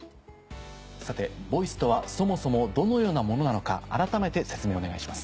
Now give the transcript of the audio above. さて「ＶＯＩＣＥ」とはそもそもどのようなものなのか改めて説明お願いします。